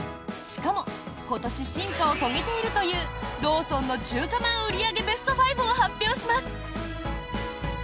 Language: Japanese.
しかも今年、進化を遂げているというローソンの中華まん売り上げベスト５を発表します！